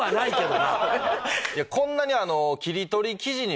こんなに。